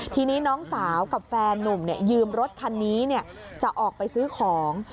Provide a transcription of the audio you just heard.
ทีนี้น้องสาวกับแฟนนุ่มยืมรถคันนี้จะออกไปซื้อของ